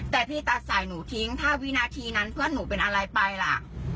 แต่พี่ตัดสายหนูทิ้งถ้าวินาทีนั้นเพื่อนหนูเป็นอะไรไปล่ะ